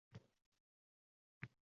Hokimlarga rahm qiling